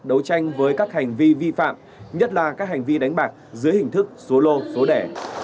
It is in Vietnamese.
đấu tranh với các hành vi vi phạm nhất là các hành vi đánh bạc dưới hình thức số lô số đẻ